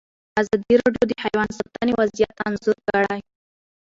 ازادي راډیو د حیوان ساتنه وضعیت انځور کړی.